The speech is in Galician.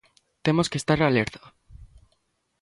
Temos que estar alerta.